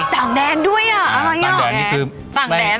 ต่างแดนแล้ว